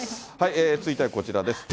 続いてはこちらです。